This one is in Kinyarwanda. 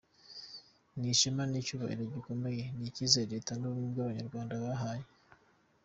Ni ishema, ni icyubahiro gikomeye, ni icyizere Leta y’ubumwe bw’abanyarwanda yabahaye.